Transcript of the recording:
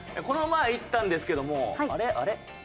この前行ったんですけどもあれ？